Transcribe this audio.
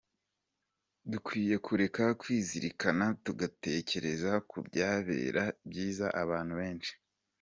Dukwiye kureka kwizirikana tugatekereza ku bya bera byiza abantu benshi.